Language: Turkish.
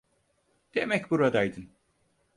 Demek buradaydın.